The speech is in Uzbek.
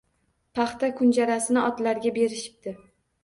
Paxta kunjarasini otlarga berishibdi.